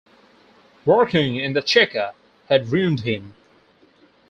Working in the Cheka had ruined him.